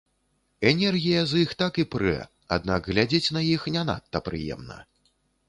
Энергія з іх так і прэ, аднак глядзець на іх не надта прыемна.